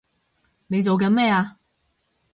你做緊咩啊！